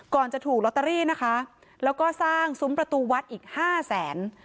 จะถูกลอตเตอรี่นะคะแล้วก็สร้างซุ้มประตูวัดอีกห้าแสน